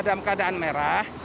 dalam keadaan merah